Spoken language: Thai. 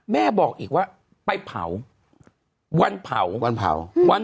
แม่บอกอีกว่าไปเผาวันเผา